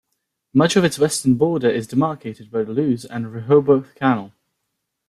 Much of its western border is demarcated by the Lewes and Rehoboth Canal.